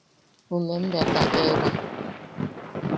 Junuen bea taʼewa.